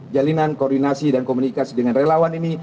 jalinan koordinasi dan komunikasi dengan relawan ini